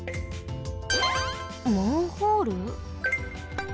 マンホール？